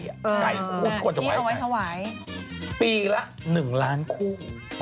ที่เขาไว้ถวายปีละ๑ล้านคู่